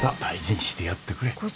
大事にしてやってくれ。